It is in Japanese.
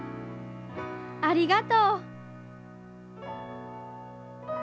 ありがとう。